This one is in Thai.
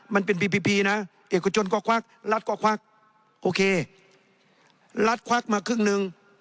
มันเป็นพีพีพีนะเอกชนก็ควักรัฐก็ควักโอเครัฐควักมาครึ่งหนึ่ง